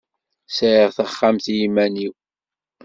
Sɛiɣ taxxamt i iman-iw.